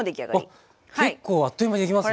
あっ結構あっという間にできますね。